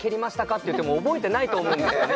っていっても覚えてないと思うんですね